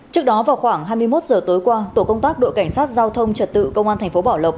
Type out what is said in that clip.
trước đó vào khoảng hai mươi một giờ tối qua tổ công tác đội cảnh sát giao thông trật tự công an thành phố bảo lộc